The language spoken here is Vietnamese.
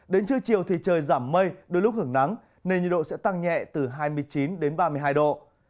đến trưa chiều thì trời giảm mây đôi lúc hưởng nắng nên nhiệt độ sẽ tăng nhẹ từ hai mươi chín đến ba mươi hai độ